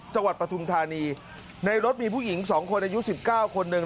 ปฐุมธานีในรถมีผู้หญิง๒คนอายุ๑๙คนหนึ่ง